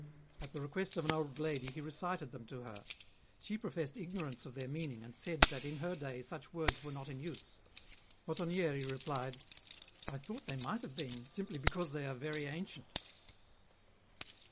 At the request of an old lady he recited them to her. She professed ignorance of their meaning, and said that in her day such words were not in use. Ottonieri replied :" I thought they might have been, simply because they are very ancient."